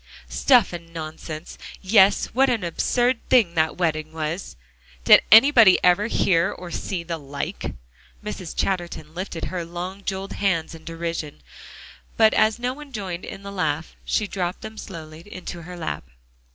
"Stuff and nonsense! Yes, what an absurd thing that wedding was. Did anybody ever hear or see the like!" Mrs. Chatterton lifted her long jeweled hands in derision, but as no one joined in the laugh, she dropped them slowly into her lap.